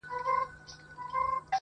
• زموږ پر زخمونو یې همېش زهرپاشي کړې ده_